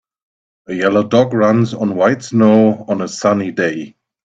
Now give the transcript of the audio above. A yellow dog runs on white snow on a sunny day.